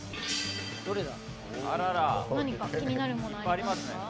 何か気になるものありますか？